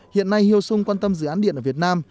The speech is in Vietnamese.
hiện nay hyo sung quan tâm dự án điện ở việt nam